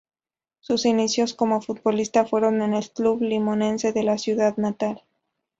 Sus inicios como futbolista, fueron en el club Limonense de su ciudad natal.